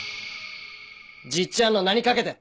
じっちゃんの名にかけて！